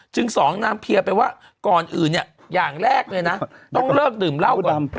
สองนางเพียร์ไปว่าก่อนอื่นเนี่ยอย่างแรกเลยนะต้องเลิกดื่มเหล้าก่อน